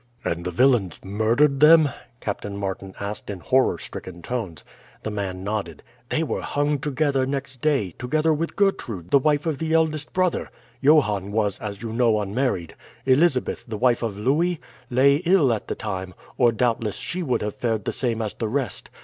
"And the villains murdered them?" Captain Martin asked in horror stricken tones. The man nodded. "They were hung together next day, together with Gertrude, the wife of the eldest brother. Johan was, as you know, unmarried. Elizabeth, the wife of Louis, lay ill at the time, or doubtless she would have fared the same as the rest.